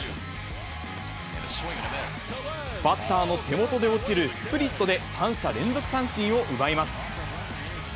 バッターの手元で落ちるスプリットで、３者連続三振を奪います。